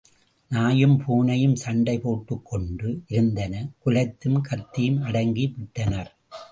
நாயும் பூனையும் சண்டை போட்டுக் கொண்டு இருந்தன, குலைத்தும், கத்தியும் அடங்கி விட்டனர்.